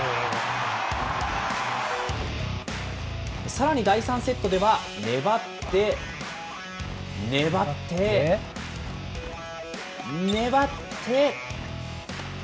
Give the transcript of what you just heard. さらに第３セットでは粘って、粘って、粘って。